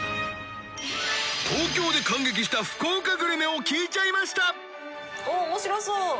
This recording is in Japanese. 東京で感激した福岡グルメを聞いちゃいました